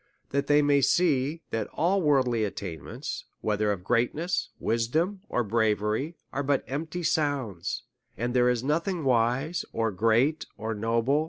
That they may see, that all worldly attainments, whether of greatness, wisdom, or bravery, are but empty sounds ; and there is nothing wise, or great, or S52 A SERIOUS CALLj &C.